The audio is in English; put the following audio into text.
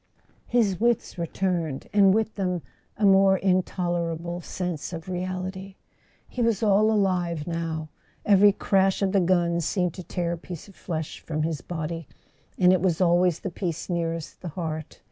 His wits returned, and with them a more intolerable sense of reality. He was all alive now. Every crash of the guns seemed to tear a piece of flesh from his body; and it was always the piece nearest the heart.